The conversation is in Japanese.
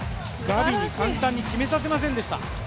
ガビに簡単に決めさせませんでした。